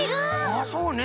あそうね。